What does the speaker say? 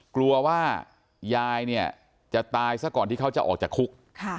กลัวว่ายายเนี่ยจะตายซะก่อนที่เขาจะออกจากคุก